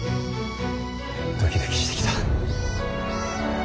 ドキドキしてきた。